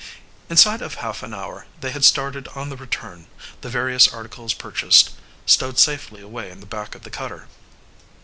Inside of half an hour they had started on the return, the various articles purchased stowed safely away in the back of the cutter.